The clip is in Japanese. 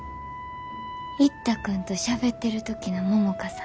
一太君としゃべってる時の百花さん